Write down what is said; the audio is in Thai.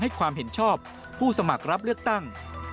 ความเห็นชอบผู้สมัครรับเลือกตั้ง